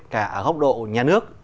cả ở góc độ nhà nước